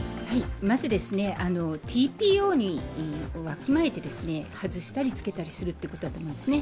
まずＴＰＯをわきまえて外したり着けたりするということだと思うんですね。